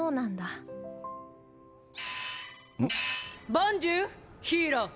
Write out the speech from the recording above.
ボンジュールヒーロー！